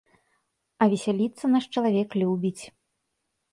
А весяліцца наш чалавек любіць.